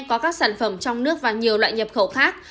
có các sản phẩm trong nước và nhiều loại nhập khẩu khác